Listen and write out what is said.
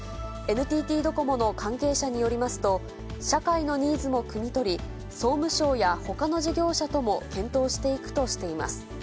ＮＴＴドコモの関係者によりますと、社会のニーズもくみ取り、総務省やほかの事業者とも検討していくとしています。